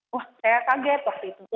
wah saya kaget waktu itu